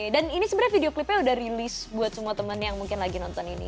dan ini sebenarnya video clipnya udah rilis buat semua temen yang mungkin lagi nonton ini